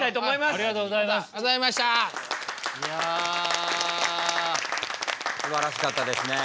すばらしかったですね。